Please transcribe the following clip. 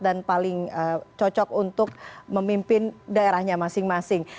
dan paling cocok untuk memimpin daerahnya masing masing